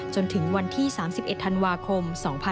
จนถึงวันที่๓๑ธันวาคม๒๕๖๒